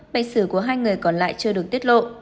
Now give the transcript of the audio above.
bệnh sử của hai người còn lại chưa được tiết lộ